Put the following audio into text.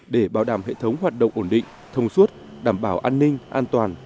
để bảo đảm hệ thống hoạt động ổn định thông suốt đảm bảo an ninh an toàn